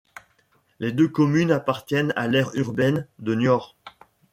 Les deux communes appartiennent à l'aire urbaine de Niort.